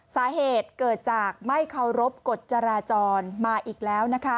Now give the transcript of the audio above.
สาเหตุเกิดจากไม่เคารพกฎจราจรมาอีกแล้วนะคะ